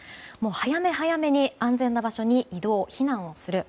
早め早めに安全な場所に移動・避難をする。